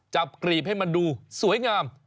กรีบให้มันดูสวยงาม